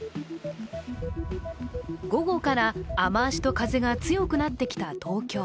午後から雨足と風が強くなってきた東京。